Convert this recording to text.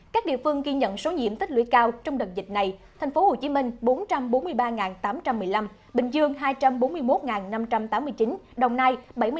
các địa phương ghi nhận số nhiễm tích lưỡi cao trong đợt dịch này